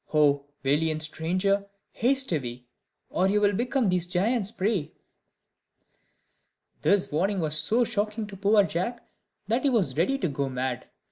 Oh valiant stranger! haste away, Or you'll become these giants' prey." This warning was so shocking to poor Jack, that he was ready to go mad.